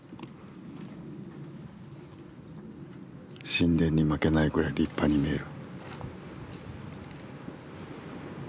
神殿に負けないぐらい立派に見える。